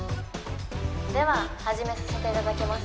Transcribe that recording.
「では始めさせて頂きます。